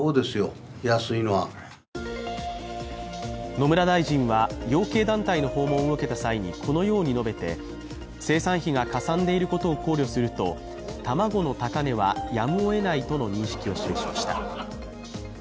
野村大臣は養鶏団体の訪問を受けた際にこのように述べて生産費がかさんでいることを考慮すると卵の高値はやむをえないとの認識を示しました。